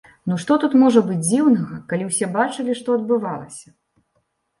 Ну што тут можа быць дзіўнага, калі ўсе бачылі, што адбывалася.